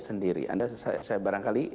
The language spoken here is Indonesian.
sendiri saya barangkali